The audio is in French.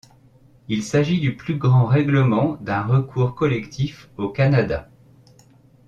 Il s'agit du plus grand règlement d'un recours collectif au Canada.